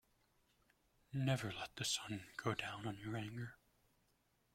Never let the sun go down on your anger.